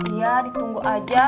iya ditunggu aja